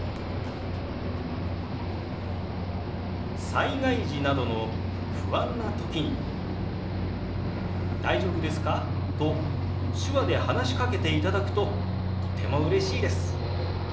災害時などの不安な時に「大丈夫ですか？」と手話で話しかけていただくととてもうれしいです。